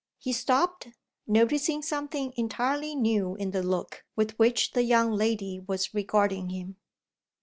He stopped, noticing something entirely new in the look with which the young lady was regarding him.